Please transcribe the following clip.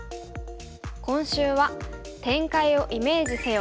今週は「展開をイメージせよ」。